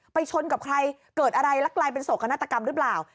ชนกับใครเกิดอะไรแล้วกลายเป็นโศกนาฏกรรมหรือเปล่า